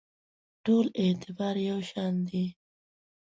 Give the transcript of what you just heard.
ټولو اعتبار یو شان دی.